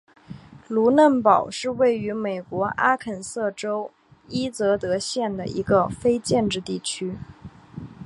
卢嫩堡是位于美国阿肯色州伊泽德县的一个非建制地区。